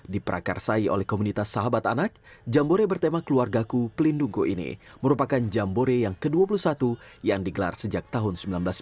diperakarsai oleh komunitas sahabat anak jambore bertema keluargaku pelindungku ini merupakan jambore yang ke dua puluh satu yang digelar sejak tahun seribu sembilan ratus sembilan puluh